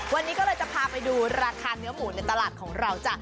วันนี้ก็เลยจะพาไปดูราคาเนื้อหมูในตลาดของเราจ้ะ